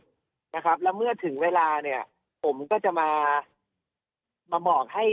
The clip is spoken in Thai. นะครับแล้วเมื่อถึงเวลาเนี่ยผมก็จะมามาบอกให้